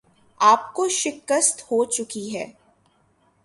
آپ کو شکست ہوچکی ہے